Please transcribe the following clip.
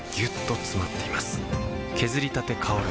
削りたて香る